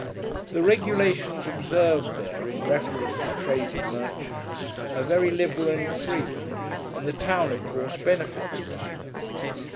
The regulations observed there, in reference to trade and merchants, are very liberal and free; and the town, of course, benefits by them.